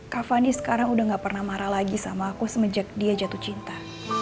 kak fani sekarang sudah tidak pernah marah lagi sama aku semenjak dia jatuh cinta